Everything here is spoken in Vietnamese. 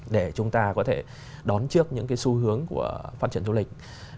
để chúng ta có thể đón trước những cái xu hướng của phát triển du lịch